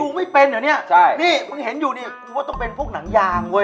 ไม่เป็นเหรอเนี่ยใช่นี่มึงเห็นอยู่นี่กูว่าต้องเป็นพวกหนังยางเว้